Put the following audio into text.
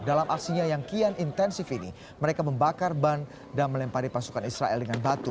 dalam aksinya yang kian intensif ini mereka membakar ban dan melempari pasukan israel dengan batu